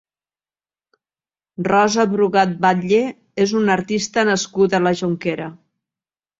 Rosa Brugat Batlle és una artista nascuda a la Jonquera.